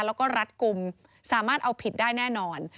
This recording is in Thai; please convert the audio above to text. แล้วก็รัดกลุ่มสามารถเอาผิดได้แน่นอน